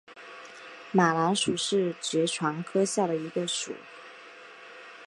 马蓝属是爵床科下的一个属。